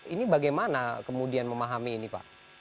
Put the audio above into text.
ini bagaimana kemudian memahami ini pak